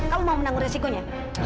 kamu mau menanggung resikonya